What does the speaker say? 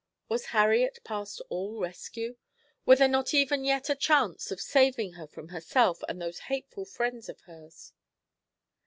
Was Harriet past all rescue? Was there not even yet a chance of saving her from herself and those hateful friends of hers?